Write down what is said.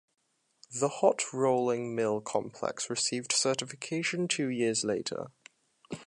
The hot rolling mill complex received certification two years later.